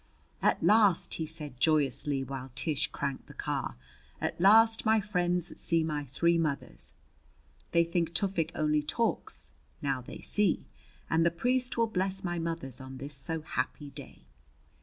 "At last," he said joyously while Tish cranked the car "at last my friends see my three mothers! They think Tufik only talks now they see! And the priest will bless my mothers on this so happy day."